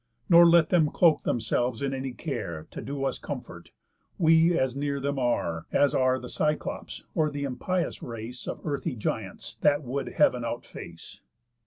Nor let them cloak themselves in any care To do us comfort, we as near them are, As are the Cyclops, or the impious race Of earthy giants, that would heav'n outface."